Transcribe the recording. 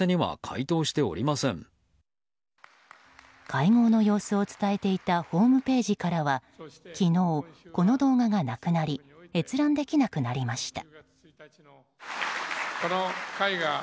会合の様子を伝えていたホームページからは昨日、この動画がなくなり閲覧できなくなりました。